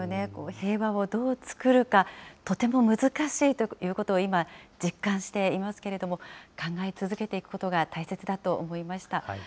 平和をどうつくるか、とても難しいということを今、実感していますけれども、考え続けていくことが大切だと思いました。